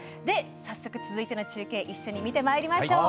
早速、続いての中継一緒に見てまいりましょう。